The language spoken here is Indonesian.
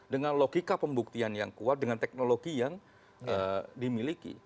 dengan logika pembuktian yang kuat dengan teknologi yang dimiliki